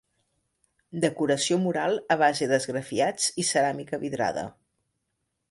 Decoració mural a base d'esgrafiats i ceràmica vidrada.